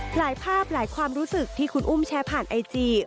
หลายภาพหลายความรู้สึกที่คุณอุ้มแชร์ผ่านไอจี